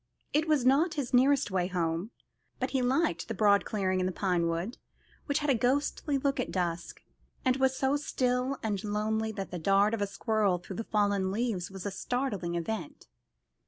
It was not his nearest way home, but he liked the broad clearing in the pine wood, which had a ghostly look at dusk, and was so still and lonely that the dart of a squirrel through the fallen leaves was a startling event.